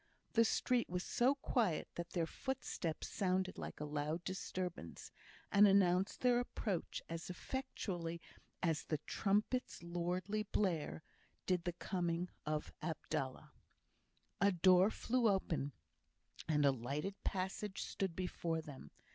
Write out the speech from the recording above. The street was so quiet that their footsteps sounded like a loud disturbance, and announced their approach as effectually as the "trumpet's lordly blare" did the coming of Abdallah. A door flew open, and a lighted passage stood before them.